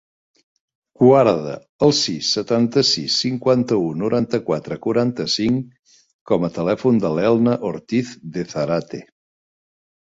Guarda el sis, setanta-sis, cinquanta-u, noranta-quatre, quaranta-cinc com a telèfon de l'Elna Ortiz De Zarate.